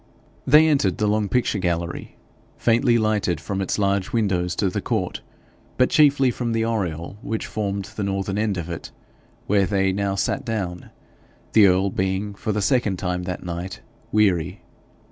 They entered the long picture gallery, faintly lighted from its large windows to the court, but chiefly from the oriel which formed the northern end of it, where they now sat down, the earl being, for the second time that night, weary.